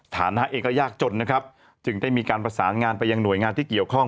ฐานะเองก็ยากจนนะครับจึงได้มีการประสานงานไปยังหน่วยงานที่เกี่ยวข้อง